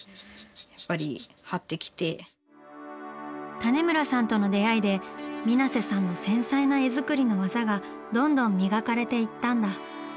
種村さんとの出会いで水瀬さんの繊細な絵作りの技がどんどん磨かれていったんだ。